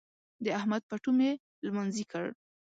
د احمد پټو مې لمانځي کړ.